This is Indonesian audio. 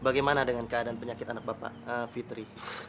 bagaimana dengan keadaan penyakit anak bapak fitri